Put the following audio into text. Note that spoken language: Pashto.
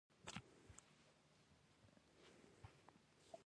غول د کم خوځښت لامل کېږي.